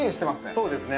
そうですね。